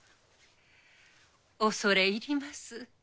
恐れ入ります。